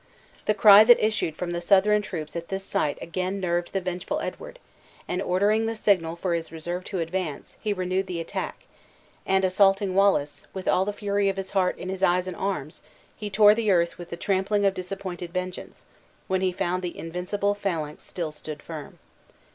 The cry that issued from the Southron troops at this sight again nerved the vengeful Edward, and ordering the signal for his reserve to advance, he renewed the attack; and assaulting Wallace, with all the fury of his heart in his eyes and arms, he tore the earth with the trampling of disappointed vengeance, when he found the invincible phalanx still stood firm.